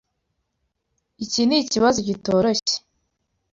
Iki nikibazo kitoroshye.